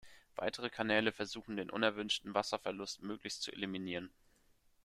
Weitere Kanäle versuchen den unerwünschten Wasserverlust möglichst zu eliminieren.